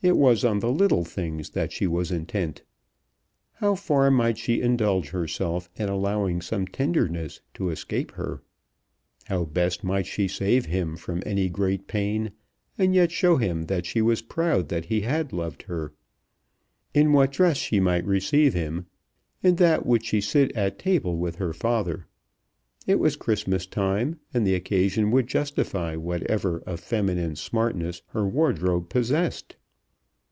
It was on the little things that she was intent. How far might she indulge herself in allowing some tenderness to escape her? How best might she save him from any great pain, and yet show him that she was proud that he had loved her? In what dress she might receive him, in that would she sit at table with her father. It was Christmas time, and the occasion would justify whatever of feminine smartness her wardrobe possessed.